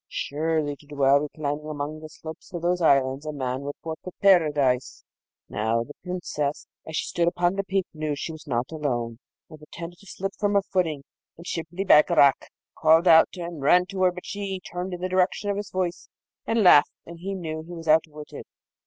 Surely, to dwell reclining among the slopes of those islands a man would forfeit Paradise! Now, the Princess, as she stood upon the peak, knew that she was not alone, and pretended to slip from her footing, and Shibli Bagarag called out and ran to her; but she turned in the direction of his voice and laughed, and he knew he was outwitted.